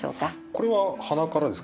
これは鼻からですか？